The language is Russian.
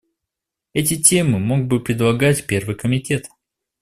Эти темы мог бы предлагать Первый комитет.